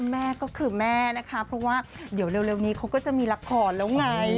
แม่ก็คือแม่นะคะเพราะว่าเดี๋ยวเร็วนี้เขาก็จะมีละครแล้วไง